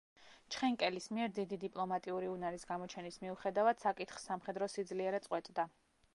ჩხენკელის მიერ დიდი დიპლომატიური უნარის გამოჩენის მიუხედავად, საკითხს სამხედრო სიძლიერე წყვეტდა.